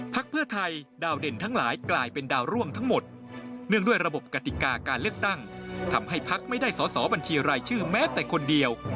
เพื่อไทยดาวเด่นทั้งหลายกลายเป็นดาวร่วงทั้งหมดเนื่องด้วยระบบกติกาการเลือกตั้งทำให้พักไม่ได้สอสอบัญชีรายชื่อแม้แต่คนเดียว